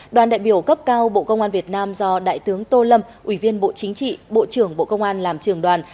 đoàn đại biểu cấp cao bộ công an việt nam do đại tướng tô lâm ủy viên bộ chính trị bộ trưởng bộ công an làm trường đoàn